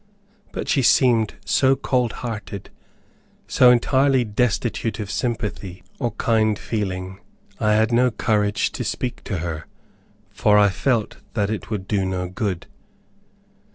But she seemed so cold hearted, so entirely destitute of sympathy or kind feeling, I had no courage to speak to her, for I felt that it would do no good.